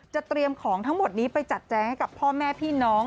เตรียมของทั้งหมดนี้ไปจัดแจงให้กับพ่อแม่พี่น้อง